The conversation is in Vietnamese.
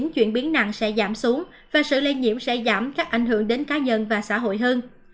chuyển biến nặng sẽ giảm xuống và sự lây nhiễm sẽ giảm các ảnh hưởng đến cá nhân và xã hội hơn